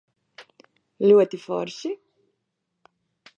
Ļoti forši?